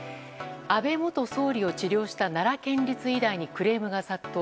安倍元総理を治療した奈良県立医大にクレームが殺到。